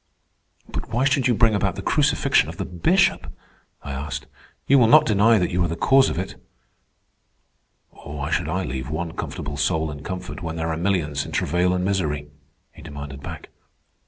"But why should you bring about the crucifixion of the Bishop?" I asked. "You will not deny that you are the cause of it." "Why should I leave one comfortable soul in comfort when there are millions in travail and misery?" he demanded back.